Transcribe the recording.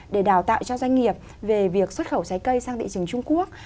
để đào tạo cho doanh nghiệp về việc xuất khẩu trái cây sang thị trường trung quốc